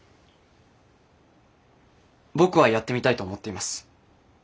僕はやってみたいと思っています。